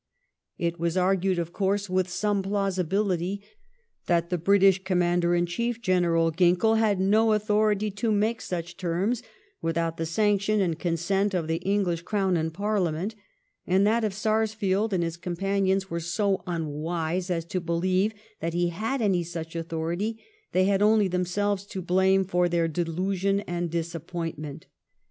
It was argued, of course with some plausibility, that the British Commander in Chief, General Ginckell, had no authority to make such terms without the sanction and consent of the English Crown and Parliament, and that if Sarsfield and his companions were so unwise as to believe that he had any such authority, they had only themselves to blame for their delusion and disappointment.